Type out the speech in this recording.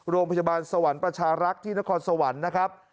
โรงพยาบาลสวรรค์ประชารักษ์ที่นครสวรรค์นะครับ